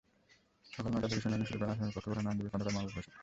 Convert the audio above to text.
সকাল নয়টার দিকে শুনানি শুরু করেন আসামিপক্ষের প্রধান আইনজীবী খন্দকার মাহবুব হোসেন।